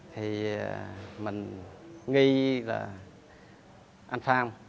thì mình nghi là anh phong